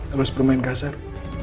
halus bermain kasar